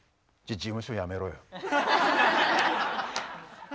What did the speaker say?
事務所やめろよ！